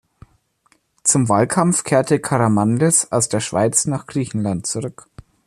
Zum Wahlkampf kehrte Karamanlis aus der Schweiz nach Griechenland zurück.